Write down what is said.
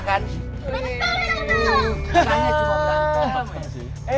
kacanya cuma berantem